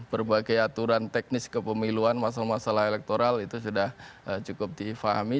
berbagai aturan teknis kepemiluan masalah masalah elektoral itu sudah cukup difahami